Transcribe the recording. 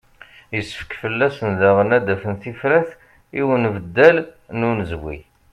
Yessefk fell-asent daɣen ad d-afent tifrat i unbeddal n unezwi.